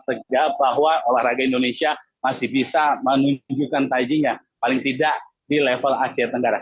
segar bahwa olahraga indonesia masih bisa menunjukkan tajinya paling tidak di level asia tenggara